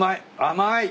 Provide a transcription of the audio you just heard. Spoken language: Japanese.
甘い。